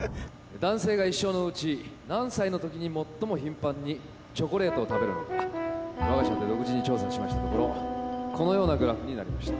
男性が一生のうち何歳の時にもっとも頻繁にチョコレートを食べるのか我が社で独自に調査しましたところこのようなグラフになりました。